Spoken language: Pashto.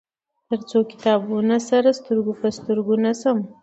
تر څو له کتابونه سره سترګو په سترګو نشم.